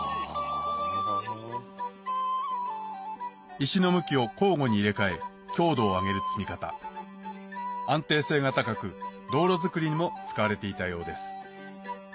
石の向きを交互に入れ替え強度を上げる積み方安定性が高く道路づくりにも使われていたようです